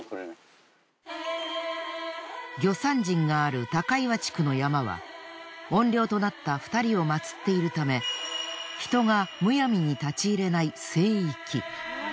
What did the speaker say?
魚山人がある高岩地区の山は怨霊となった２人を祀っているため人がむやみに立ち入れない聖域。